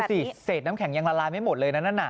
สิเศษน้ำแข็งยังละลายไม่หมดเลยนะนั่นน่ะ